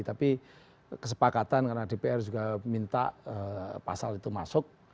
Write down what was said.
tapi kesepakatan karena dpr juga minta pasal itu masuk